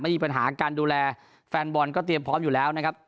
มีปัญหาการดูแลแฟนบอลก็เตรียมพร้อมอยู่แล้วนะครับ